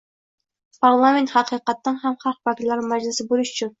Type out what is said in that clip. parlament haqiqatdan ham xalq vakillari majlisi bo‘lishi uchun